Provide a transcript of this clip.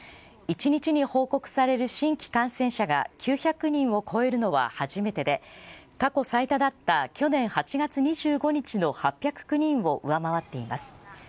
一日に報告される新規感染者が９００人を超えるのは初めてで過去最多だった去年８月２５日の８０９人を上回っています。